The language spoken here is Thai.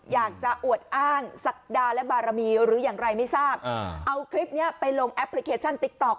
อยากจะอวดอ้างศักดาและบารมีหรืออย่างไรไม่ทราบเอาคลิปนี้ไปลงแอปพลิเคชันติ๊กต๊อ